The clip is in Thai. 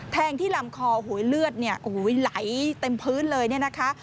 แทงที่ลำคอหวยเลือดไหลเต็มพื้นเลยนะคะ